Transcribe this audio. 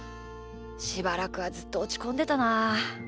しばらくはずっとおちこんでたな。